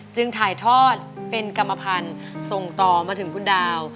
จึงถ่ายทอดเป็นกรรมพันธุ์ส่งต่อมาถึงคุณดาว